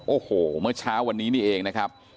โอ้โหเมื่อเช้าวันนี้นี่เองนะครับ